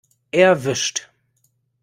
Erwischt!